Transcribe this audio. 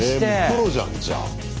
プロじゃんじゃあ。